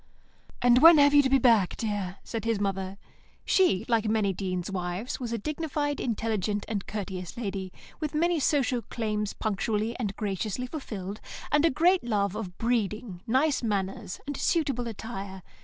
"And when have you to be back, dear?" said his mother. She, like many deans' wives, was a dignified, intelligent, and courteous lady, with many social claims punctually and graciously fulfilled, and a great love of breeding, nice manners, and suitable attire.